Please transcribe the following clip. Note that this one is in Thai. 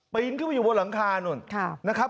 ไปยิงเข้ามาอยู่บนหลังคานู่นนะครับ